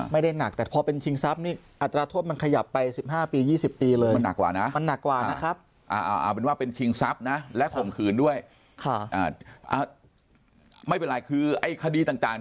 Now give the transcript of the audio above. ไม่ได้หนักแต่พอเป็นชิงทรัพย์นี่อัตราโทษมันขยับไป๑๕ปี๒๐ปีเลยมันหนักกว่านะ